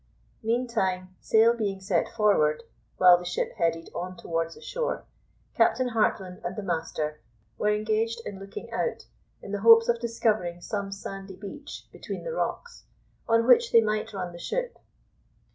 Meantime, sail being set forward, while the ship headed on towards the shore, Captain Hartland and the master were engaged in looking out, in the hopes of discovering some sandy beach between the rocks, on which they might run the ship.